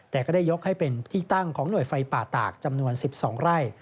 แต่ก็ได้ยกให้เป็นที่ตั้งของหน่วยไฟป่าตากจำนวน๑๒ไร่